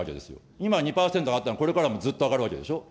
今、２％上がったらこれからもずっと上がるわけでしょ。